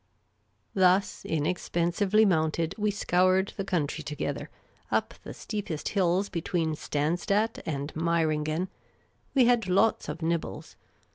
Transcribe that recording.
Thus inexpensively mounted, we scoured the country to gether, up the steepest hills between Stanzstadt and Mei ringen. We had lots of nibbles.